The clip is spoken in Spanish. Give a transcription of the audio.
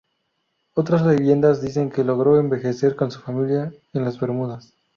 Otras leyendas dicen que logró envejecer con su familia en las Bermudas.